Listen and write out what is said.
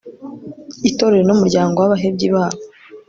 itorero n'umuryango w'abahebyi babo